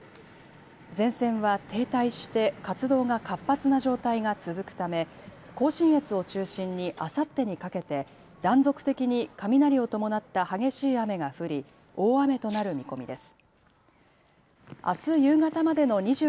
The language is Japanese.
前線は停滞して活動が活発な状態が続くため甲信越を中心にあさってにかけて断続的に雷を伴った激しい雨が降り大雨となる見込みです。